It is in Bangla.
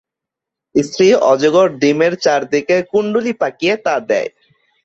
স্ত্রী অজগর ডিমের চারদিকে কুন্ডলী পাকিয়ে তা দেয়।